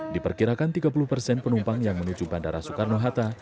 diperkirakan tiga puluh persen penumpang yang menuju bandara soekarno hatta